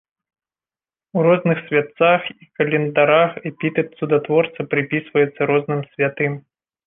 У розных святцах і календарах эпітэт цудатворца прыпісваецца розным святым.